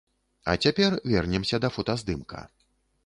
А цяпер вернемся да фотаздымка.